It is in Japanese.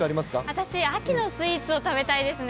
私、秋のスイーツを食べたいですね。